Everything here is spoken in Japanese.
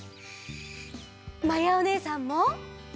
まやおねえさんも！